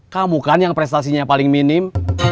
kamu kan yang prestasinya paling minim